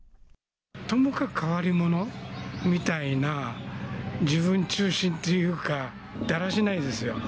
とにかく変わり者みたいな自分中心というか、だらしないですよ。